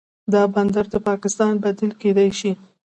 دا بندر د پاکستان بدیل کیدی شي.